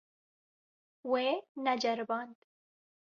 Wê neceriband.